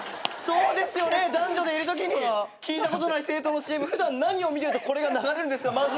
男女でいるときに聞いたことない政党のＣＭ普段何を見てるとこれが流れるんですかまず。